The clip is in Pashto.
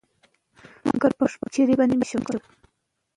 مذهبي مشر ژان والژان ته د سپینو زرو لوښي ورکړل.